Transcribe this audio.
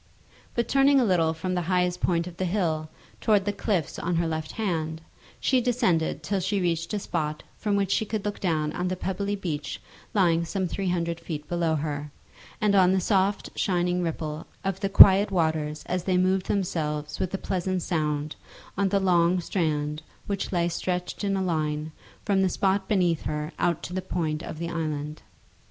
But turning a little from the highest point of the hill towards the cliffs on her left hand, she descended till she reached a spot from which she could look down on the pebbly beach lying some three hundred feet below her, and on the soft shining ripple of the quiet waters as they moved themselves with a pleasant sound on the long strand which lay stretched in a line from the spot beneath her out to the point of the island.